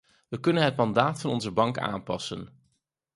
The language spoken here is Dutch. We kunnen het mandaat van onze bank aanpassen.